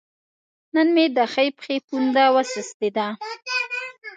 نن مې د ښۍ پښې پونده وسستې ده